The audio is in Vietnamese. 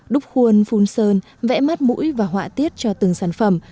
đúc khuôn phun sơn vẽ mắt mũi và họa tiết cho từng sản phẩm